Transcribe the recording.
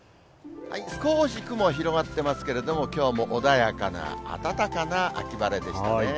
少し雲、広がってますけれども、きょうも穏やかな暖かな秋晴れでしたね。